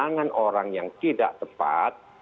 tangan orang yang tidak tepat